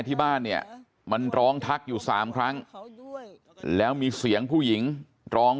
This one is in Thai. ที่บ้านเนี่ยมันร้องทักอยู่๓ครั้งแล้วมีเสียงผู้หญิงร้อง